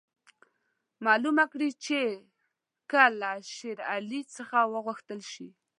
معلومه کړي چې که له شېر علي څخه وغوښتل شي.